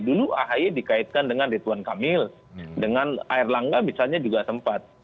dulu ahy dikaitkan dengan ridwan kamil dengan air langga misalnya juga sempat